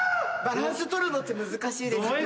バランス取るのって難しいですね。